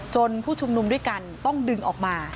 ผู้ชุมนุมด้วยกันต้องดึงออกมา